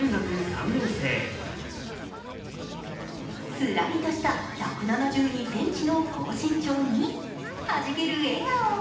すらりとした１７２ｃｍの高身長にはじける笑顔。